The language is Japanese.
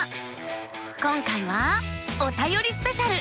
今回は「おたよりスペシャル」。